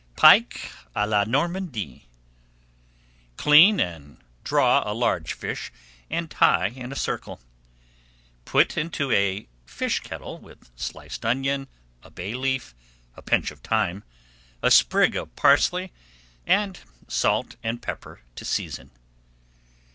PIKE À LA NORMANDY Clean and draw a large fish and tie in a circle. Put into a fish kettle with sliced onion, a bay leaf, a pinch of thyme, a sprig of parsley, and salt and pepper to season.